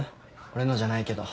俺のじゃないけど。